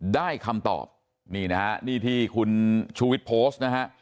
ได้คำตอบนี่นะฮะนี่ที่คุณชูวิทย์โพสต์นะฮะ